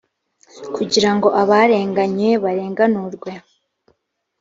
kugira ngo abarenganye barenganurwe